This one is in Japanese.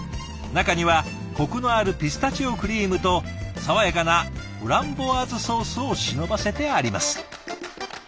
中にはコクのあるピスタチオクリームと爽やかなフランボワーズソースを忍ばせてあります。